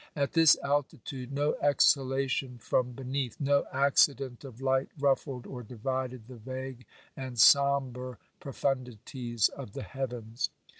At this altitude no exhalation from beneath, no accident of light ruffled or divided the vague and sombre profundities of the heavens.